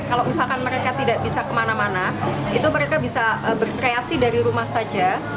kalau misalkan mereka tidak bisa kemana mana itu mereka bisa berkreasi dari rumah saja